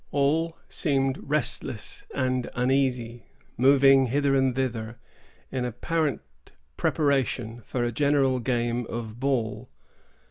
All seemed restless and uneasy, moving hither and thither, in apparent preparation for a general game of ball.